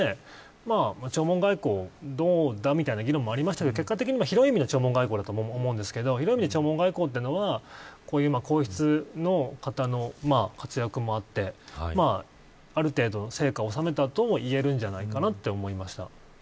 弔問外交どうだみたいな議論もありましたが広い意味での弔問外交だと思いますが広い意味での弔問外交というのは皇室の方の活躍もあってある程度の成果を収めたともいえるんじゃないかと思いました。